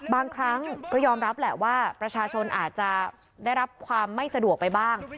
บางครั้งก็ยอมรับแหละว่าประชาชนอาจจะได้รับความไม่สะดวกไปบ้าง